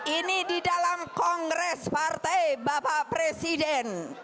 ini di dalam kongres partai bapak presiden